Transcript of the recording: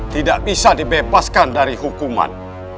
tidak bisa dibebaskan dari hukuman